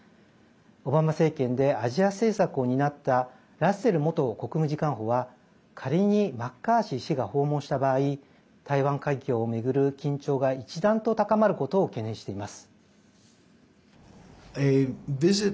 オバマ政権でアジア政策を担ったラッセル元国務次官補は仮にマッカーシー氏が訪問した場合台湾海峡を巡る緊張が、一段と高まることを懸念しています。